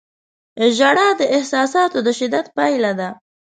• ژړا د احساساتو د شدت پایله ده.